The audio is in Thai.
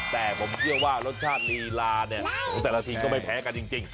แต่ผมเชื่อว่ารสชาติลีลาเนี่ยของแต่ละทีมก็ไม่แพ้กันจริง